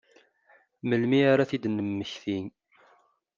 Melmi ara ad ten-id-temmekti?